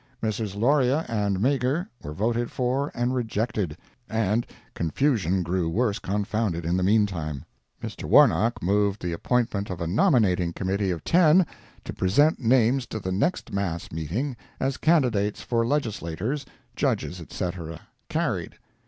Messrs. Loryea and Meagher were voted for and rejected, and confusion grew worse confounded in the meantime. Mr. Warnock moved the appointment of a Nominating Committee of ten, to present names to the next mass meeting, as candidates for Legislators, Judges, etc. Carried.